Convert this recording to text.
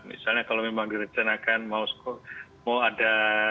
misalnya kalau memang direncanakan mau ada